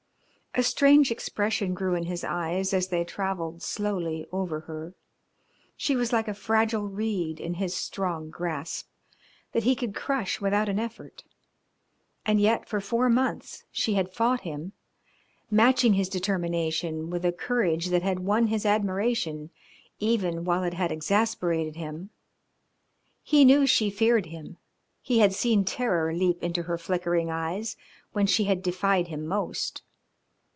A strange expression grew in his eyes as they travelled slowly over her. She was like a fragile reed in his strong grasp that he could crush without an effort, and yet for four months she had fought him, matching his determination with a courage that had won his admiration even while it had exasperated him. He knew she feared him, he had seen terror leap into her flickering eyes when she had defied him most.